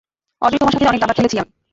অজয় তোমার সাথে অনেক দাবা খেলেছি আমি।